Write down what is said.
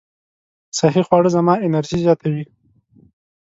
صحي خواړه زما انرژي زیاتوي.